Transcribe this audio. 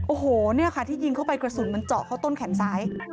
โอ้โหเนี่ยค่ะที่ยิงเข้าไปกระสุนมันเจาะเข้าต้นแขนซ้าย